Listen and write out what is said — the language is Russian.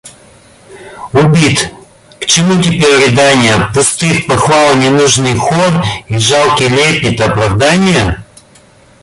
Убит!.. к чему теперь рыданья, пустых похвал ненужный хор и жалкий лепет оправданья?